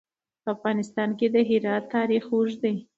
په افغانستان کې د هرات تاریخ اوږد دی.